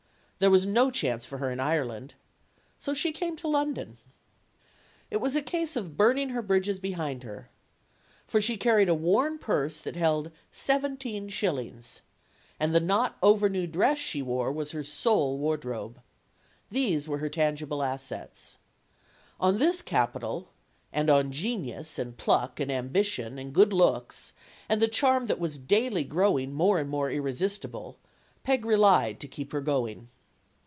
There was no chance for her in Ireland. So she came to London. It was a case of burning her bridges behind her. For she carried a worn purse that held seventeen shillings. And the not overnew dress she wore was her sole wardrobe. These were her tangible assets. On this capital and on genius and pluck and ambition and good looks and the charm that was daily growing more and more irresistible, Peg relied to keep her going.